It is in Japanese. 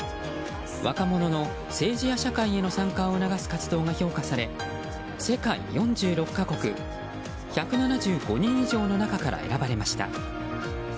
若者の政治や社会への参加を促す活動が評価され世界４６か国１７５人以上の中から選ばれました。